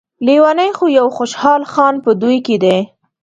لیونی خو يو خوشحال خان په دوی کې دی.